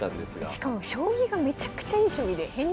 しかも将棋がめちゃくちゃいい将棋で編入